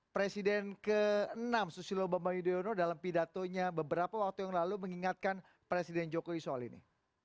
presiden ke enam susilo bambang yudhoyono dalam pidatonya beberapa waktu yang lalu mengingatkan presiden jokowi soal ini